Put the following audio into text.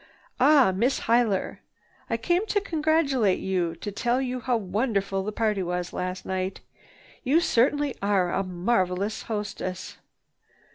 "Ah, Miss Huyler. I came to congratulate you, to tell you how wonderful the party was last night. You certainly are a marvelous hostess.